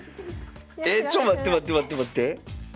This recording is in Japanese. えちょ待って待って待って待って。